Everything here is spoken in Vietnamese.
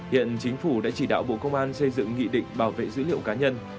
hiện chính phủ đã chỉ đạo bộ công an xây dựng nghị định bảo vệ dữ liệu cá nhân